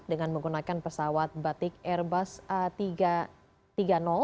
dengan menggunakan pesawat batik airbus a tiga ratus tiga puluh